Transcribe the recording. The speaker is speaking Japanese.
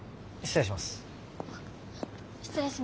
失礼します。